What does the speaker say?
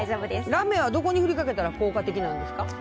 ラメはどこに振りかけたら効果的なんですか？